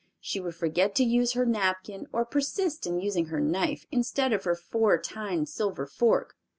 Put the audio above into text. She would forget to use her napkin, or persist in using her knife instead of her four tined silver fork.